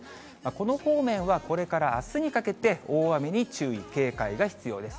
この方面はこれからあすにかけて、大雨に注意、警戒が必要です。